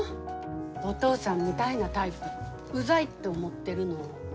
お父さんみたいなタイプうざいって思ってるの。